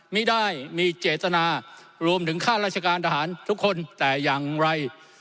ไม่ได้มีเจตนารวมถึงค่าราชการทหารทุกคนแต่อย่างไร